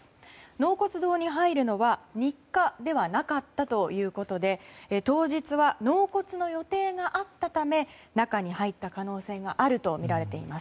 納骨堂に入るのは日課ではなかったということで当日は納骨の予定があったため中に入った可能性があるとみられています。